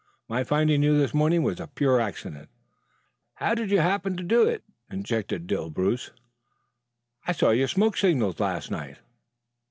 My finding you this morning was a pure accident." "How'd you happen to do it?" interjected Dill Bruce. "I saw your smoke signs last night."